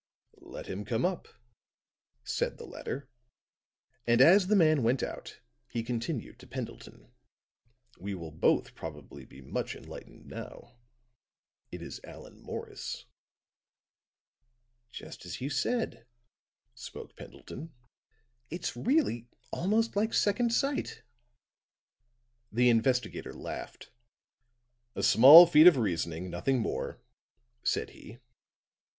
"Let him come up," said the latter; and, as the man went out, he continued to Pendleton. "We will both probably be much enlightened now. It is Allan Morris." "Just as you said," spoke Pendleton. "It's really almost like second sight." The investigator laughed. "A small feat of reasoning, nothing more," said he.